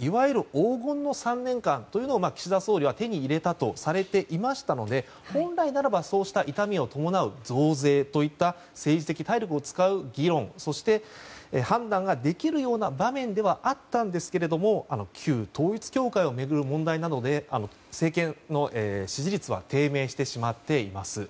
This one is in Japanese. いわゆる黄金の３年間というのを岸田総理は手に入れたとされていましたので本来ならばそうした痛みを伴う増税といった政治的体力を使う議論そして判断ができるような場面ではあったんですけれども旧統一教会を巡る問題などで政権の支持率は低迷してしまっています。